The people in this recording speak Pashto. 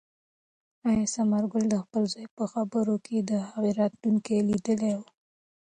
آیا ثمرګل د خپل زوی په خبرو کې د هغه راتلونکی لیدلی و؟